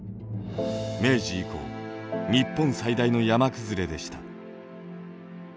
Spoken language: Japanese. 明治以降日本最大の山崩れでした。